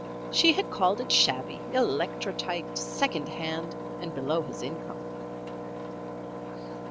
She had called it shabby, electrotyped, second hand, and below his income.